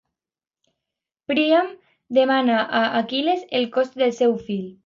Príam demana a Aquil·les el cos del seu fill.